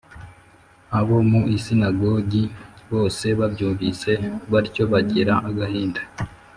Abo mu isinagogi bose babyumvise batyo bagira agahinda